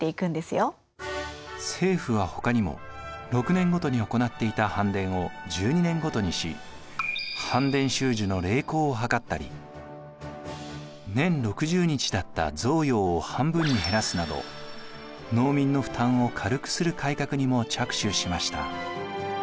政府はほかにも６年ごとに行っていた班田を１２年ごとにし班田収授の励行を図ったり年６０日だった雑徭を半分に減らすなど農民の負担を軽くする改革にも着手しました。